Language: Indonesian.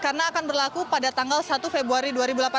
karena akan berlaku pada tanggal satu februari dua ribu delapan belas